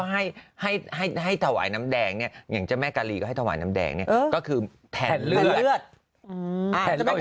ให้เธอให้ให้ต่อไอน้ำแดงแห่งจะแม่ทะวันน้ำแดงนี้ก็คือแหละ